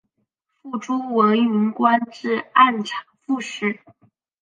父朱文云官至按察副使。